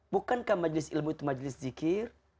bukankah majlis ilmu itu majlis zikir